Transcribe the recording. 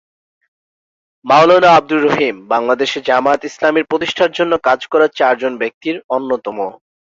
মাওলানা আবদুর রহিম বাংলাদেশে জামায়াতে ইসলামীর প্রতিষ্ঠার জন্য কাজ করা চারজন ব্যক্তির অন্যতম।